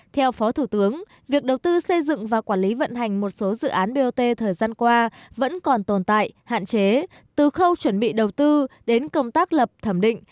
theo phó thủ tướng việc đầu tư xây dựng và quản lý vận hành một số dự án bot thời gian qua vẫn còn tồn tại hạn chế từ khâu chuẩn bị đầu tư đến công tác lập thẩm định